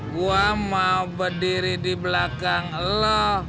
gua mau berdiri di belakang lo